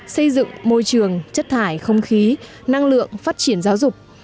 xây dựng môi trường chất thải không khí năng lượng phát triển giáo dục